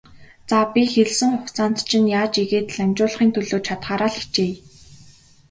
За, би хэлсэн хугацаанд чинь яаж ийгээд л амжуулахын төлөө чадахаараа л хичээе.